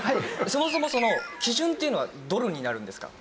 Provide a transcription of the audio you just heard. そもそもその基準っていうのはドルになるんですか？